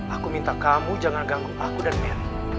aku minta kamu jangan ganggu aku dan mer